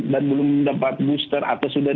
dan belum mendapat booster atau sudah